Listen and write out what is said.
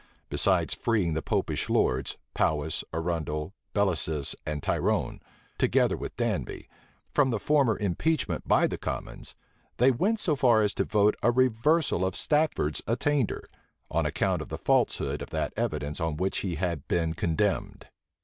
Besides freeing the Popish lords, Powis, Arundel, Bellasis, and Tyrone, together with Danby, from the former impeachment by the commons, they went so far as to vote a reversal of Stafford's attainder, on account of the falsehood of that evidence on which he had been condemned.